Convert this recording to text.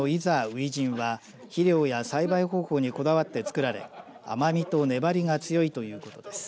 初陣は肥料や栽培方法にこだわって作られ甘みと粘りが強いということです。